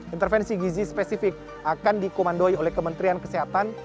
intervensi gizi spesifik akan dikomandoi oleh kementerian kesehatan